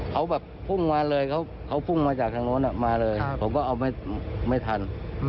เขาแบบพุ่งมาเลยเขาพุ่งมาจากทางโน้นมาเลยผมก็เอาไม่ทัน